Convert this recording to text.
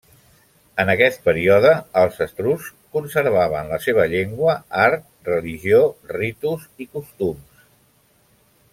En aquest període, els etruscs conservaven la seva llengua, art, religió, ritus i costums.